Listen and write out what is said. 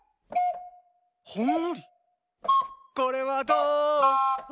ほんのりこれはどう？